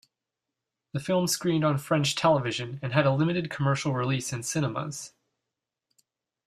The film screened on French television and had a limited commercial release in cinemas.